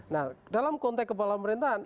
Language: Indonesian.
nah dalam konteks kepala pemerintahan